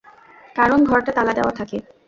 কারণ, ঘরটা তালা দেয়া থাকে।